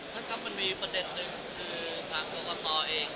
ท่านครับมันมีประเด็นหนึ่งคือทางกรกตเอง